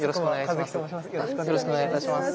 よろしくお願いします。